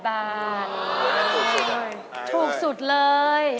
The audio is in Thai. ถูกสุดเลยถูกสุดเลย